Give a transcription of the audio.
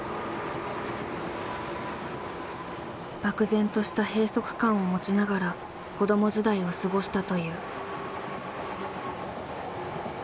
漠然とした閉塞感を持ちながら子ども時代を過ごしたという。